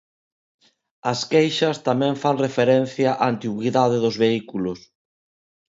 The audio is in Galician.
As queixas tamén fan referencia á antigüidade dos vehículos.